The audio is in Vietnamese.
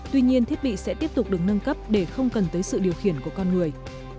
tuy nhiên thiết bị sẽ tiếp tục được nâng cấp để không cần tới sự điều khiển của con người